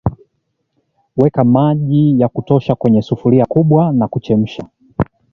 Weka maji ya kutosha kwenye sufuria kubwa na kuchemsha